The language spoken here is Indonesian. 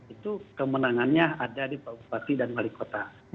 itu kemenangannya ada di pak bupati dan wali kota